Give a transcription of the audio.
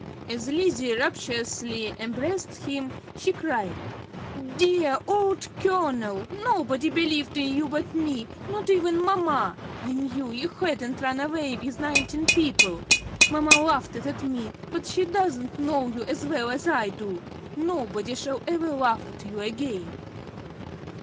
As Lizzie rapturously embraced him, she cried: "Dear old Colonel, nobody believed in you but me, not even mamma! I knew you hadn't run away with nineteen people. Mamma laughed at me, but she doesn't know you as well as I do. Nobody shall ever laugh at you again."